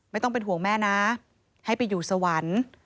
ไม่ต้องเป็นห่วงแม่นะให้ไปอยู่สวรรค์